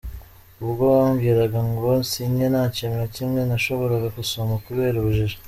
Ubwo bambwiraga ngo nsinye nta kintu na kimwe nashoboraga gusoma kubera ubujiji.